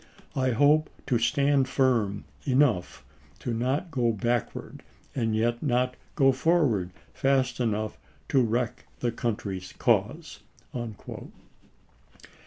I hope to 'stand firm' enough to not go backward, ciSmXr? and yet not go forward fast enough to wreck the isbsT'ms. country's cause."